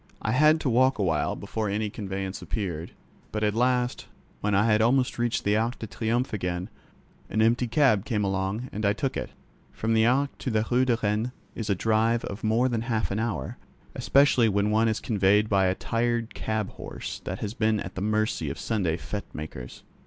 I had to walk a while before any conveyance appeared, but at last, when I had almost reached the Arc de Triomphe again, an empty cab came along and I took it. From the Arc to the Rue de Rennes is a drive of more than half an hour, especially when one is conveyed by a tired cab horse that has been at the mercy of Sunday fĻte makers.